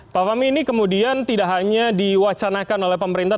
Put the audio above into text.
pak fahmi ini kemudian tidak hanya diwacanakan oleh pemerintah